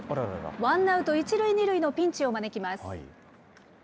ワンアウト１塁２塁のピンチを招きます。